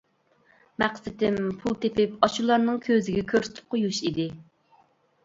مەقسىتىم پۇل تېپىپ ئاشۇلارنىڭ كۆزىگە كۆرسىتىپ قويۇش ئىدى.